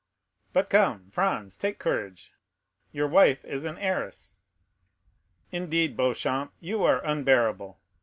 But come, Franz, take courage, your wife is an heiress." "Indeed, Beauchamp, you are unbearable.